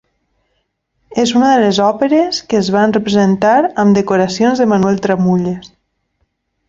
És una de les òperes que es van representar amb decoracions de Manuel Tramulles.